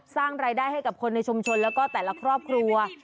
สร้างรายได้ให้กับคนในชุมชนแล้วก็แต่ละครอบครัว